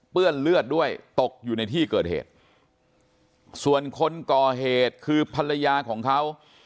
เลือดด้วยตกอยู่ในที่เกิดเหตุส่วนคนก่อเหตุคือภรรยาของเขา